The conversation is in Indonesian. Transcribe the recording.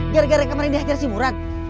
gara gara kemarin dihajar si murad